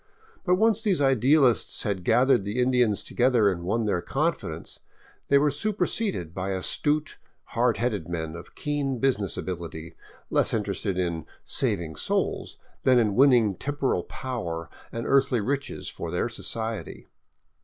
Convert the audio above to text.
But once these idealists had gathered the Indians together and won their confidence, they were superseded by astute, hard headed men of keen business ability, less interested in " saving souls " than in winning temporal power and earthly riches for their society.